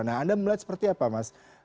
nah anda melihat seperti apa mas